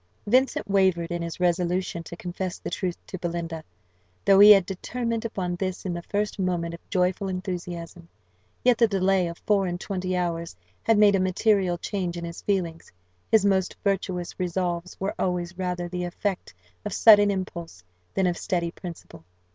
Vincent wavered in his resolution to confess the truth to Belinda. Though he had determined upon this in the first moment of joyful enthusiasm, yet the delay of four and twenty hours had made a material change in his feelings; his most virtuous resolves were always rather the effect of sudden impulse than of steady principle.